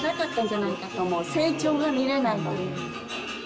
成長が見れないという。